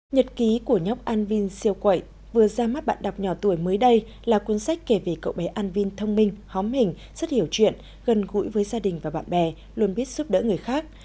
nhật ký của nhóc anvin siêu quẩy vừa ra mắt bạn đọc nhỏ tuổi mới đây là cuốn sách kể về cậu bé anvin thông minh hóm hình rất hiểu chuyện gần gũi với gia đình và bạn bè luôn biết giúp đỡ người khác